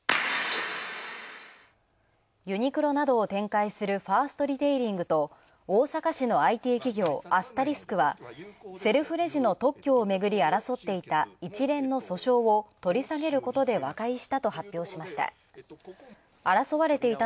ユニクロなどを展開するファーストリテイリングと大阪市のＩＴ企業・アスタリスクはセルフレジの特許をめぐり争っていた一連の訴訟を取り下げることで和解したと発表しました。